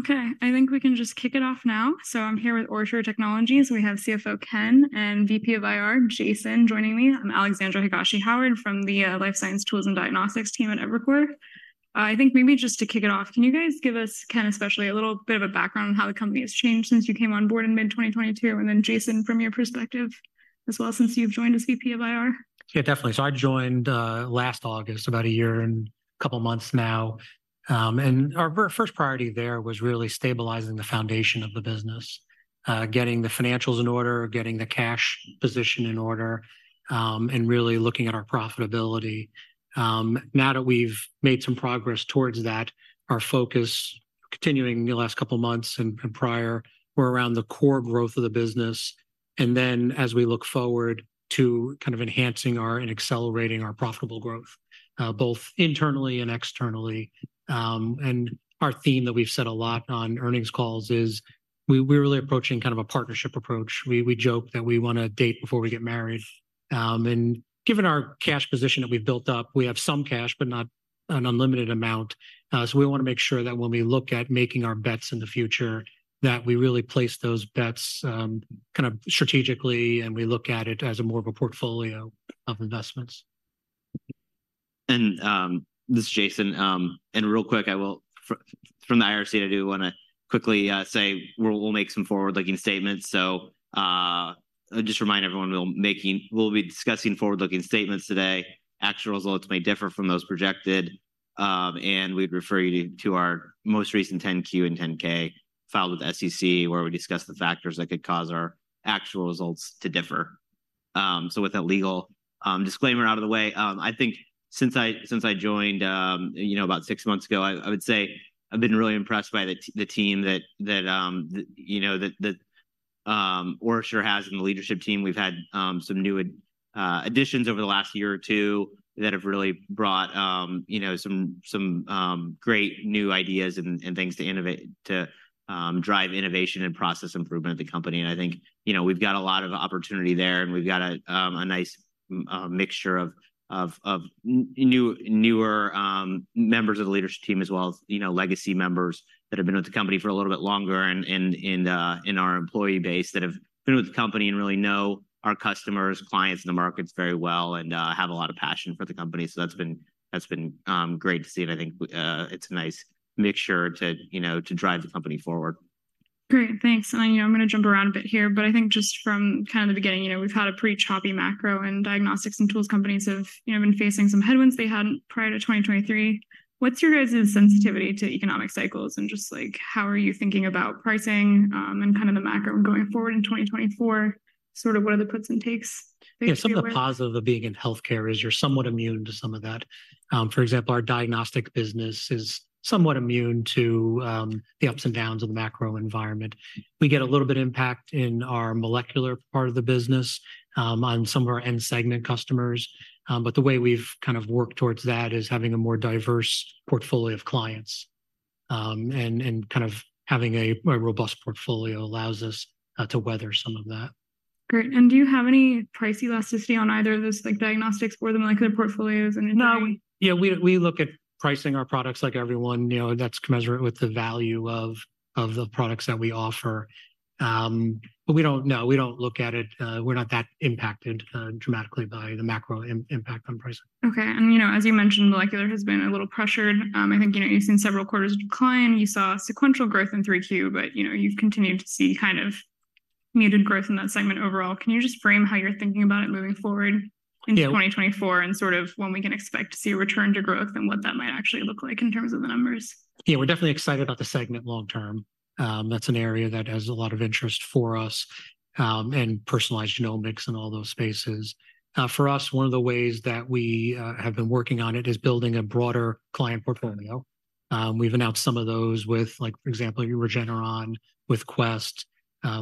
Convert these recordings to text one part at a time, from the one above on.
Okay, I think we can just kick it off now. So I'm here with OraSure Technologies. We have CFO Ken and VP of IR, Jason, joining me. I'm Alexandra Higashi-Howard from the Life Science Tools and Diagnostics team at Evercore. I think maybe just to kick it off, can you guys give us, Ken, especially, a little bit of a background on how the company has changed since you came on board in mid-2022, and then Jason, from your perspective as well, since you've joined as VP of IR? Yeah, definitely. So I joined last August, about a year and a couple of months now. Our first priority there was really stabilizing the foundation of the business, getting the financials in order, getting the cash position in order, and really looking at our profitability. Now that we've made some progress towards that, our focus continuing the last couple of months and, and prior, were around the core growth of the business, and then as we look forward to kind of enhancing our, and accelerating our profitable growth, both internally and externally. Our theme that we've said a lot on earnings calls is, we, we're really approaching kind of a partnership approach. We, we joke that we wanna date before we get married. Given our cash position that we've built up, we have some cash, but not an unlimited amount. We wanna make sure that when we look at making our bets in the future, that we really place those bets, kind of strategically, and we look at it as a more of a portfolio of investments. This is Jason. Real quick, from the IRC, I do wanna quickly say we'll make some forward-looking statements. So just remind everyone, we'll be discussing forward-looking statements today. Actual results may differ from those projected, and we'd refer you to our most recent 10-Q and 10-K filed with the SEC, where we discuss the factors that could cause our actual results to differ. So with that legal disclaimer out of the way, I think since I joined, you know, about six months ago, I would say I've been really impressed by the team that, you know, that OraSure has in the leadership team. We've had some new additions over the last year or two that have really brought you know some great new ideas and things to drive innovation and process improvement of the company. I think you know we've got a lot of opportunity there, and we've got a nice mixture of newer members of the leadership team, as well as you know legacy members that have been with the company for a little bit longer and in our employee base that have been with the company and really know our customers, clients, and the markets very well and have a lot of passion for the company. So that's been great to see, and I think it's a nice mixture to, you know, to drive the company forward. Great, thanks. You know, I'm gonna jump around a bit here, but I think just from kind of the beginning, you know, we've had a pretty choppy macro, and diagnostics and tools companies have, you know, been facing some headwinds they hadn't prior to 2023. What's your guys' sensitivity to economic cycles, and just like, how are you thinking about pricing, and kind of the macro going forward in 2024? Sort of what are the puts and takes, basically? Yeah, some of the positive of being in healthcare is you're somewhat immune to some of that. For example, our diagnostic business is somewhat immune to the ups and downs of the macro environment. We get a little bit impact in our molecular part of the business on some of our end segment customers. But the way we've kind of worked towards that is having a more diverse portfolio of clients. And kind of having a robust portfolio allows us to weather some of that. Great. Do you have any price elasticity on either of those, like, diagnostics or the molecular portfolios, and- No. Yeah, we look at pricing our products like everyone, you know, that's commensurate with the value of the products that we offer. But we don't. No, we don't look at it. We're not that impacted dramatically by the macro impact on pricing. Okay. And, you know, as you mentioned, molecular has been a little pressured. I think, you know, you've seen several quarters of decline. You saw sequential growth in 3Q, but, you know, you've continued to see kind of muted growth in that segment overall. Can you just frame how you're thinking about it moving forward? Yeah ... into 2024, and sort of when we can expect to see a return to growth and what that might actually look like in terms of the numbers? Yeah, we're definitely excited about the segment long term. That's an area that has a lot of interest for us, and personalized genomics and all those spaces. For us, one of the ways that we have been working on it is building a broader client portfolio. We've announced some of those with, like, for example, Regeneron, with Quest,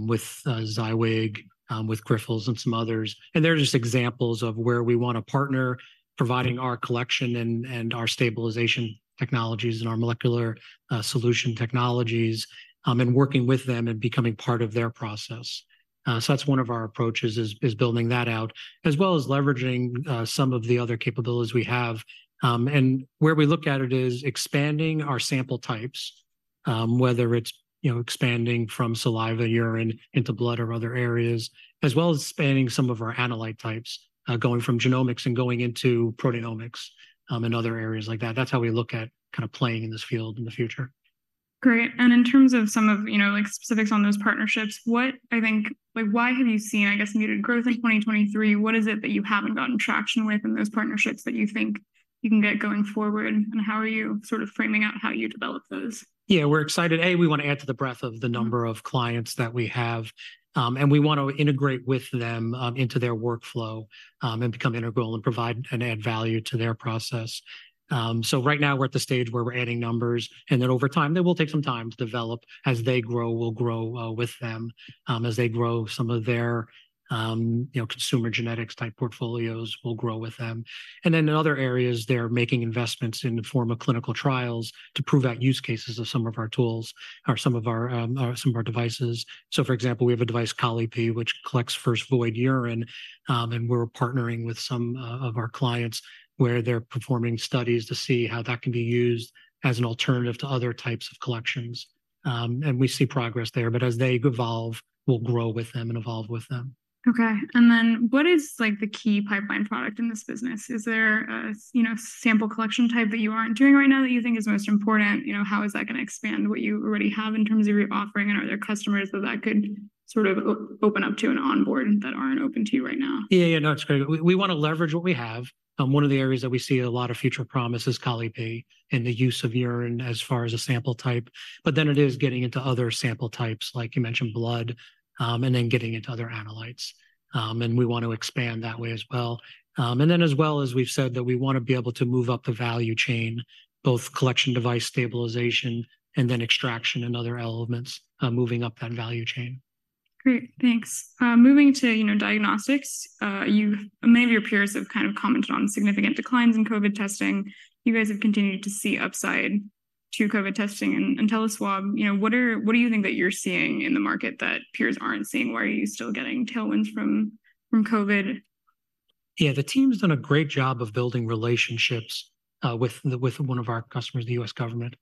with Ziwig, with Grifols and some others. And they're just examples of where we want to partner, providing our collection and our stabilization technologies and our molecular solution technologies, and working with them and becoming part of their process. So that's one of our approaches is building that out, as well as leveraging some of the other capabilities we have. Where we look at it is expanding our sample types, whether it's, you know, expanding from saliva, urine into blood or other areas, as well as expanding some of our analyte types, going from genomics and going into proteomics, and other areas like that. That's how we look at kind of playing in this field in the future. Great. And in terms of some of, you know, like, specifics on those partnerships, what I think—like, why have you seen, I guess, muted growth in 2023? What is it that you haven't gotten traction with in those partnerships that you think you can get going forward, and how are you sort of framing out how you develop those? Yeah, we're excited. A, we want to add to the breadth of the number of clients that we have, and we want to integrate with them, into their workflow, and become integral and provide and add value to their process.... So right now we're at the stage where we're adding numbers, and then over time, they will take some time to develop. As they grow, we'll grow, with them. As they grow some of their, you know, consumer genetics type portfolios, we'll grow with them. And then in other areas, they're making investments in the form of clinical trials to prove out use cases of some of our tools or some of our, some of our devices. For example, we have a device, Colli-Pee, which collects first void urine, and we're partnering with some of our clients, where they're performing studies to see how that can be used as an alternative to other types of collections. We see progress there, but as they evolve, we'll grow with them and evolve with them. Okay. And then what is, like, the key pipeline product in this business? Is there a, you know, sample collection type that you aren't doing right now that you think is most important? You know, how is that gonna expand what you already have in terms of your offering, and are there customers that that could sort of open up to and onboard that aren't open to you right now? Yeah, yeah, no, it's great. We wanna leverage what we have. One of the areas that we see a lot of future promise is Colli-Pee and the use of urine as far as a sample type. But then it is getting into other sample types, like you mentioned, blood, and then getting into other analytes. And we want to expand that way as well. And then as well as we've said that we want to be able to move up the value chain, both collection device stabilization and then extraction and other elements, moving up that value chain. Great, thanks. Moving to, you know, diagnostics, you've—many of your peers have kind of commented on significant declines in COVID testing. You guys have continued to see upside to COVID testing and InteliSwab. You know, what do you think that you're seeing in the market that peers aren't seeing? Why are you still getting tailwinds from COVID? Yeah, the team's done a great job of building relationships with one of our customers, the U.S. government.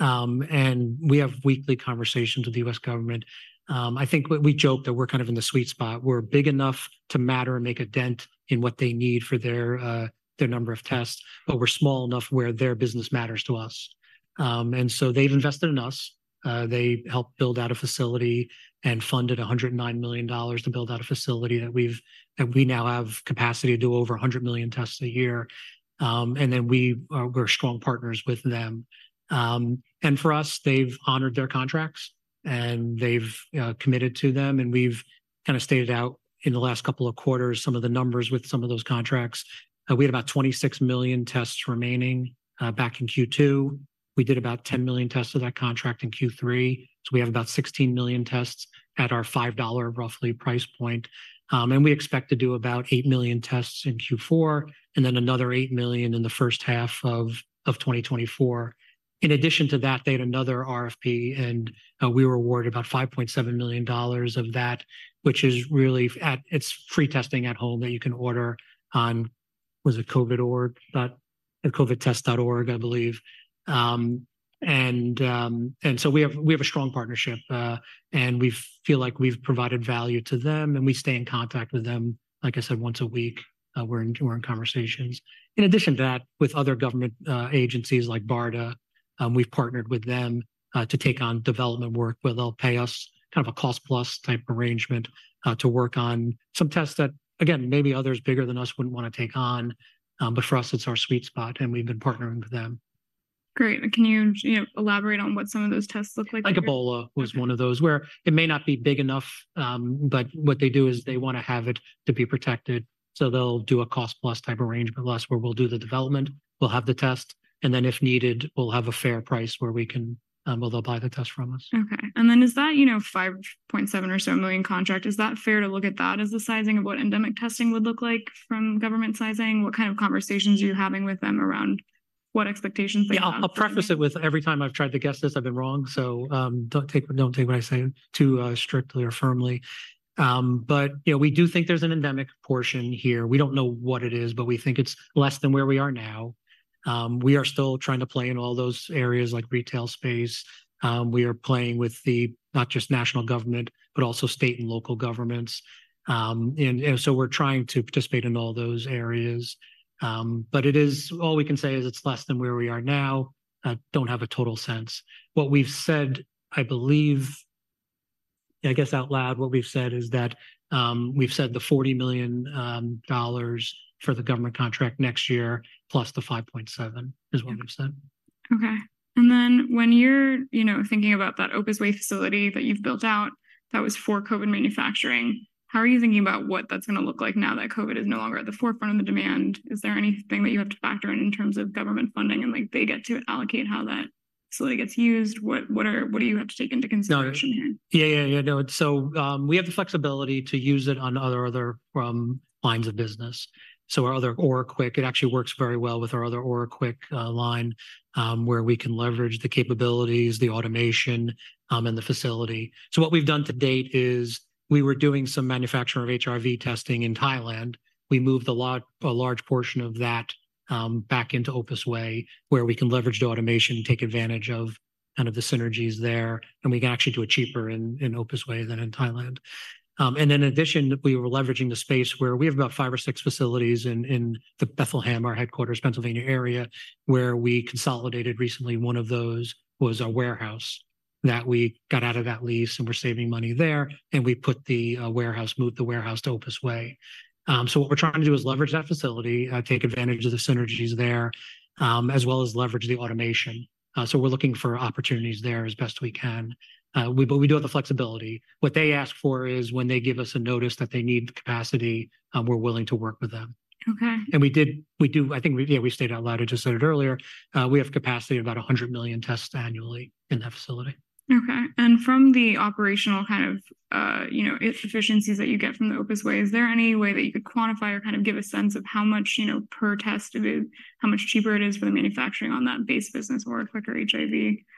And we have weekly conversations with the U.S. government. I think we joke that we're kind of in the sweet spot. We're big enough to matter and make a dent in what they need for their their number of tests, but we're small enough where their business matters to us. And so they've invested in us. They helped build out a facility and funded $109 million to build out a facility that we now have capacity to do over 100 million tests a year. And then we, we're strong partners with them. And for us, they've honored their contracts, and they've committed to them, and we've kind of stated out in the last couple of quarters some of the numbers with some of those contracts. We had about 26 million tests remaining back in Q2. We did about 10 million tests of that contract in Q3, so we have about 16 million tests at our $5, roughly, price point. And we expect to do about 8 million tests in Q4 and then another 8 million in the first half of 2024. In addition to that, they had another RFP, and we were awarded about $5.7 million of that, which is really, it's free testing at home that you can order on, was it covidtest.org? I believe. And so we have a strong partnership, and we feel like we've provided value to them, and we stay in contact with them. Like I said, once a week, we're in conversations. In addition to that, with other government agencies like BARDA, we've partnered with them to take on development work where they'll pay us kind of a cost-plus type arrangement to work on some tests that, again, maybe others bigger than us wouldn't want to take on. But for us, it's our sweet spot, and we've been partnering with them. Great. Can you, you know, elaborate on what some of those tests look like? Like, Ebola was one of those where it may not be big enough, but what they do is they wanna have it to be protected. So they'll do a cost-plus type arrangement with us, where we'll do the development, we'll have the test, and then if needed, we'll have a fair price where we can, where they'll buy the test from us. Okay. And then is that, you know, $5.7 million or so contract, is that fair to look at that as the sizing of what endemic testing would look like from government sizing? What kind of conversations are you having with them around what expectations they have? Yeah, I'll preface it with, every time I've tried to guess this, I've been wrong, so don't take, don't take what I say too strictly or firmly. But you know, we do think there's an endemic portion here. We don't know what it is, but we think it's less than where we are now. We are still trying to play in all those areas, like retail space. We are playing with the, not just national government, but also state and local governments. And so we're trying to participate in all those areas. But it is all we can say is it's less than where we are now. I don't have a total sense. What we've said, I believe... I guess out loud, what we've said is that, we've said the $40 million dollars for the government contract next year, plus the $5.7 million, is what we've said. Okay. And then when you're, you know, thinking about that Opus Way facility that you've built out that was for COVID manufacturing, how are you thinking about what that's gonna look like now that COVID is no longer at the forefront of the demand? Is there anything that you have to factor in in terms of government funding, and, like, they get to allocate how that facility gets used? What do you have to take into consideration here? Yeah, yeah, yeah. No, so we have the flexibility to use it on other lines of business. So our other OraQuick, it actually works very well with our other OraQuick line, where we can leverage the capabilities, the automation, and the facility. So what we've done to date is, we were doing some manufacturing of HIV testing in Thailand. We moved a large portion of that back into Opus Way, where we can leverage the automation and take advantage of kind of the synergies there, and we can actually do it cheaper in Opus Way than in Thailand. And in addition, we were leveraging the space where we have about five or six facilities in the Bethlehem, our headquarters, Pennsylvania area, where we consolidated recently. One of those was a warehouse that we got out of that lease, and we're saving money there, and we put the warehouse, moved the warehouse to Opus Way. So what we're trying to do is leverage that facility, take advantage of the synergies there, as well as leverage the automation. So we're looking for opportunities there as best we can. But we do have the flexibility. What they ask for is when they give us a notice that they need the capacity, we're willing to work with them. Okay. We do, I think we, yeah, we stated out loud, I just said it earlier, we have capacity of about 100 million tests annually in that facility. Okay, and from the operational kind of, you know, efficiencies that you get from the Opus Way. Is there any way that you could quantify or kind of give a sense of how much, you know, per test, how much cheaper it is for the manufacturing on that base business or quicker HIV?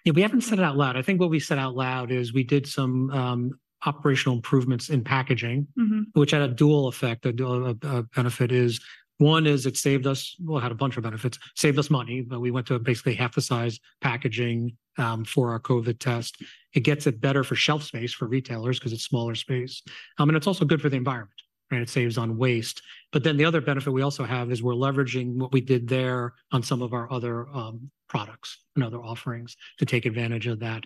Yeah, we haven't said it out loud. I think what we said out loud is we did some operational improvements in packaging- Mm-hmm. -which had a dual effect. A dual benefit is: one is it saved us... Well, it had a bunch of benefits. Saved us money, but we went to basically half the size packaging for our COVID test. It gets it better for shelf space for retailers because it's smaller space. And it's also good for the environment, and it saves on waste. But then the other benefit we also have is we're leveraging what we did there on some of our other products and other offerings to take advantage of that.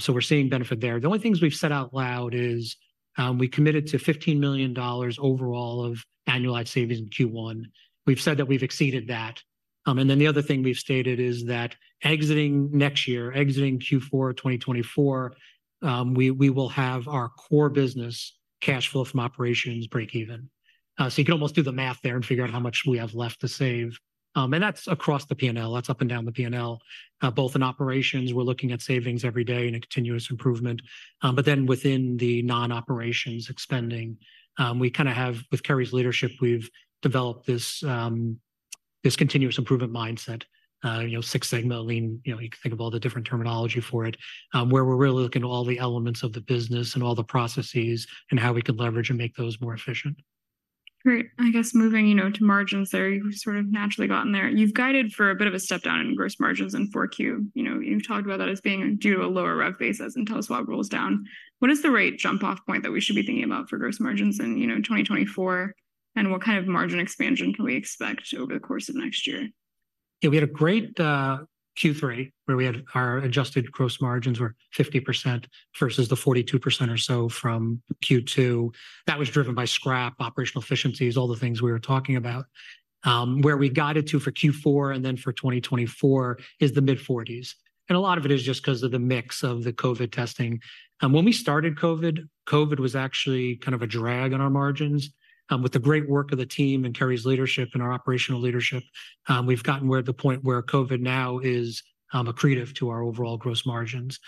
So we're seeing benefit there. The only things we've said out loud is we committed to $15 million overall of annualized savings in Q1. We've said that we've exceeded that. And then the other thing we've stated is that exiting next year, exiting Q4 of 2024, we will have our core business cash flow from operations break even. So you can almost do the math there and figure out how much we have left to save. And that's across the P&L. That's up and down the P&L, both in operations, we're looking at savings every day and a continuous improvement. But then within the non-operating expenditures, we kind of have, with Carrie's leadership, we've developed this continuous improvement mindset. You know, Six Sigma, Lean, you know, you can think of all the different terminology for it, where we're really looking at all the elements of the business and all the processes, and how we can leverage and make those more efficient. Great. I guess moving, you know, to margins there, you've sort of naturally gotten there. You've guided for a bit of a step down in gross margins in Q4. You know, you've talked about that as being due to a lower rev base as InteliSwab rolls down. What is the rate jump-off point that we should be thinking about for gross margins in, you know, 2024? And what kind of margin expansion can we expect over the course of next year? Yeah, we had a great Q3, where we had our adjusted gross margins were 50% versus the 42% or so from Q2. That was driven by scrap, operational efficiencies, all the things we were talking about. Where we got it to for Q4 and then for 2024 is the mid-40s, and a lot of it is just because of the mix of the COVID testing. And when we started COVID, COVID was actually kind of a drag on our margins. With the great work of the team and Kerry's leadership and our operational leadership, we've gotten where the point where COVID now is accretive to our overall gross margins.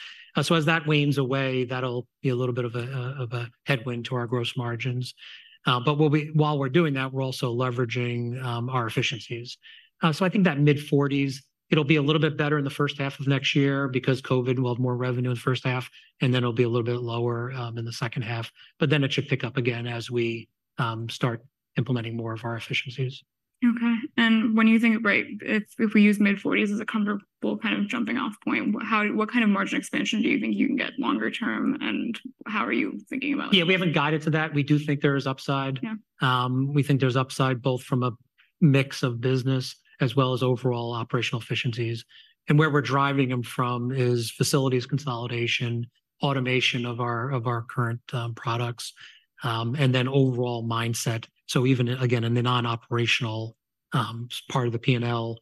So as that wanes away, that'll be a little bit of a headwind to our gross margins. But while we're doing that, we're also leveraging our efficiencies. So I think that mid-40s, it'll be a little bit better in the first half of next year because COVID will have more revenue in the first half, and then it'll be a little bit lower in the second half. But then it should pick up again as we start implementing more of our efficiencies. Okay. And when you think, right, it's if we use mid-40s as a comfortable kind of jumping-off point, how what kind of margin expansion do you think you can get longer term, and how are you thinking about it? Yeah, we haven't guided to that. We do think there is upside. Yeah. We think there's upside, both from a mix of business as well as overall operational efficiencies. And where we're driving them from is facilities consolidation, automation of our, of our current products, and then overall mindset. So even again, in the non-operational part of the P&L,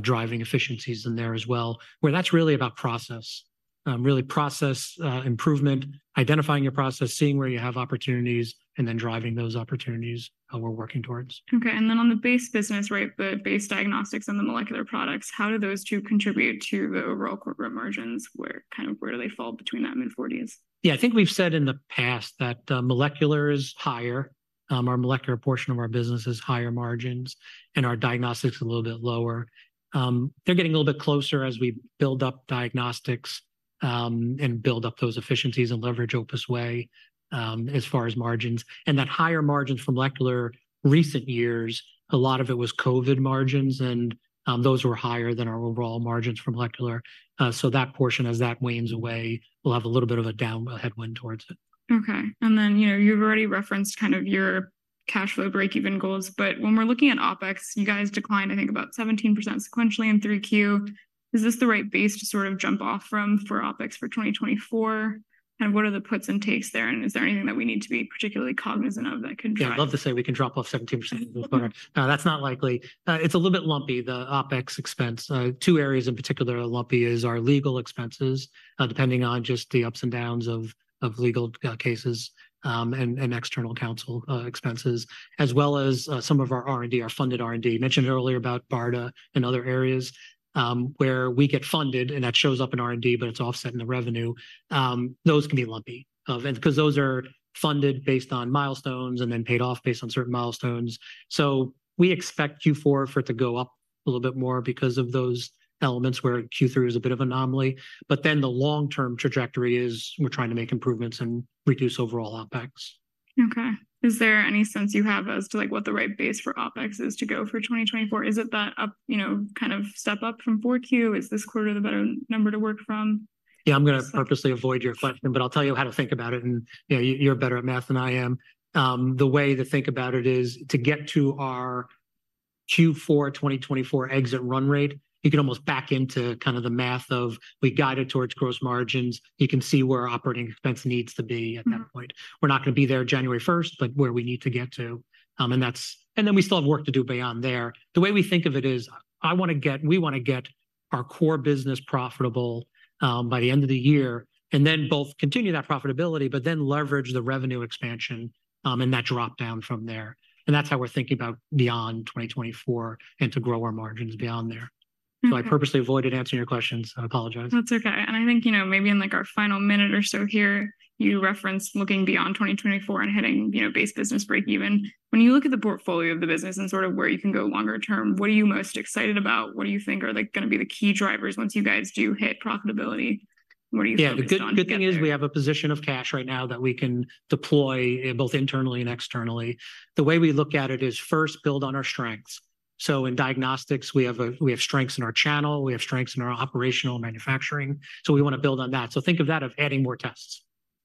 driving efficiencies in there as well, where that's really about process. Really process improvement, identifying your process, seeing where you have opportunities, and then driving those opportunities, how we're working towards. Okay, and then on the base business, right, the base diagnostics and the molecular products, how do those two contribute to the overall corporate margins? Kind of where do they fall between that mid-40s%? Yeah, I think we've said in the past that, molecular is higher. Our molecular portion of our business is higher margins, and our diagnostics a little bit lower. They're getting a little bit closer as we build up diagnostics, and build up those efficiencies and leverage Opus Way, as far as margins. And that higher margins from molecular recent years, a lot of it was COVID margins, and, those were higher than our overall margins from molecular. So that portion, as that wanes away, we'll have a little bit of a down headwind towards it. Okay. And then, you know, you've already referenced kind of your cash flow break-even goals, but when we're looking at OpEx, you guys declined, I think, about 17% sequentially in Q3. Is this the right base to sort of jump off from for OpEx for 2024? And what are the puts and takes there, and is there anything that we need to be particularly cognizant of that could drive- Yeah, I'd love to say we can drop off 17%. That's not likely. It's a little bit lumpy, the OpEx expense. Two areas in particular are lumpy is our legal expenses, depending on just the ups and downs of, of legal, cases, and, and external counsel, expenses, as well as, some of our R&D, our funded R&D. Mentioned earlier about BARDA and other areas, where we get funded, and that shows up in R&D, but it's offset in the revenue. Those can be lumpy, and because those are funded based on milestones and then paid off based on certain milestones. So we expect Q4 for it to go up a little bit more because of those elements where Q3 is a bit of anomaly. But then the long-term trajectory is we're trying to make improvements and reduce overall OpEx. Okay. Is there any sense you have as to, like, what the right base for OpEx is to go for 2024? Is it that up, you know, kind of step up from 4Q? Is this quarter the better number to work from? Yeah, I'm going to purposely avoid your question, but I'll tell you how to think about it, and, you know, you- you're better at math than I am. The way to think about it is to get to our Q4 2024 exit run rate, you can almost back into kind of the math of we guide it towards gross margins. You can see where our operating expense needs to be at that point. Mm-hmm. We're not going to be there January 1st, but where we need to get to. And that's—and then we still have work to do beyond there. The way we think of it is, I wanna get—we wanna get our core business profitable by the end of the year, and then both continue that profitability, but then leverage the revenue expansion, and that drop down from there. And that's how we're thinking about beyond 2024 and to grow our margins beyond there. So I purposely avoided answering your questions. I apologize. That's okay. And I think, you know, maybe in, like, our final minute or so here, you referenced looking beyond 2024 and hitting, you know, base business breakeven. When you look at the portfolio of the business and sort of where you can go longer term, what are you most excited about? What do you think are, like, gonna be the key drivers once you guys do hit profitability, and what are you focused on to get there? Yeah, the good, good thing is we have a position of cash right now that we can deploy both internally and externally. The way we look at it is, first, build on our strengths. So in diagnostics, we have strengths in our channel, we have strengths in our operational manufacturing, so we wanna build on that. So think of that of adding more tests.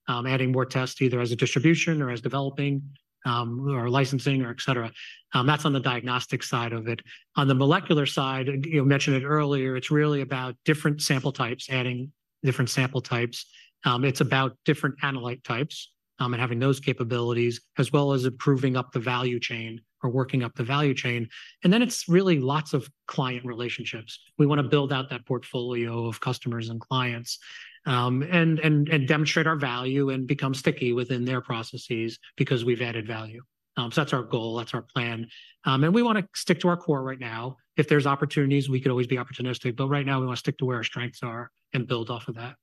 Adding more tests either as a distribution or as developing, or licensing, or et cetera. That's on the diagnostic side of it. On the molecular side, and, you know, mentioned it earlier, it's really about different sample types, adding different sample types. It's about different analyte types, and having those capabilities, as well as improving up the value chain or working up the value chain. And then it's really lots of client relationships. We wanna build out that portfolio of customers and clients, and demonstrate our value and become sticky within their processes because we've added value. So that's our goal, that's our plan. And we wanna stick to our core right now. If there's opportunities, we could always be opportunistic, but right now we wanna stick to where our strengths are and build off of that.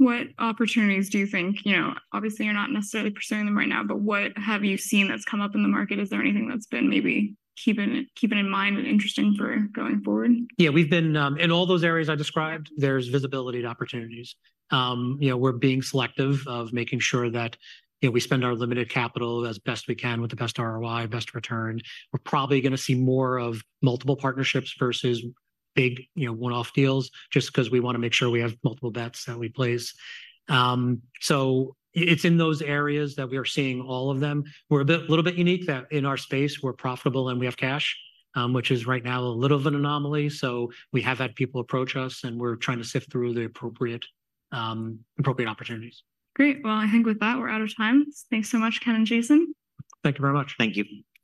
What opportunities do you think, you know, obviously, you're not necessarily pursuing them right now, but what have you seen that's come up in the market? Is there anything that's been maybe keeping in mind and interesting for going forward? Yeah, we've been in all those areas I described. There's visibility to opportunities. You know, we're being selective of making sure that we spend our limited capital as best we can with the best ROI, best return. We're probably gonna see more of multiple partnerships versus big one-off deals, just 'cause we wanna make sure we have multiple bets that we place. So it's in those areas that we are seeing all of them. We're a little bit unique that in our space, we're profitable and we have cash, which is right now a little of an anomaly. So we have had people approach us, and we're trying to sift through the appropriate opportunities. Great! Well, I think with that, we're out of time. Thanks so much, Ken and Jason. Thank you very much. Thank you.